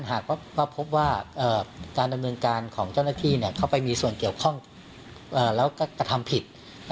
หากว่าพบว่าการดำเนินการของเจ้าหน้าที่เข้าไปมีส่วนเกี่ยวข้องแล้วก็กระทำผิด